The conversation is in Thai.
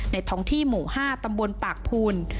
ท้องที่หมู่๕ตำบลปากภูน